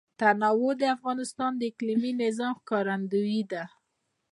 تنوع د افغانستان د اقلیمي نظام ښکارندوی ده.